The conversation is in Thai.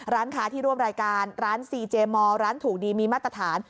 ร้านค้าที่ร่วมรายการร้านซีเจมอร์ร้านถูกดีมีมาตรฐาน